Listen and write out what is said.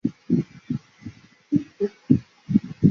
苏小小死后葬于西湖西泠桥畔。